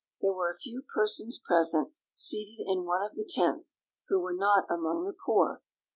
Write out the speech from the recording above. There were a few persons present, seated in one of the tents, who were not among the poor.